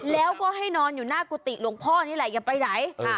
แล้วก็ให้นอนอยู่หน้ากุฏิหลวงพ่อนี่แหละอย่าไปไหน